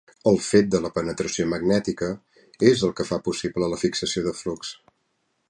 El fet de la penetració magnètica és el que fa possible la fixació de flux.